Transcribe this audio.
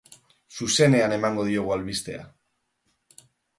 Zuzenean eman diogu albistea.